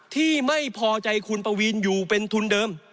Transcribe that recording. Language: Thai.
ที่ไม่พอใจคุณปวีนอยู่เป็นทุนเดิม